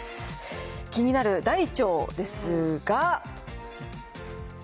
気になる大腸ですが。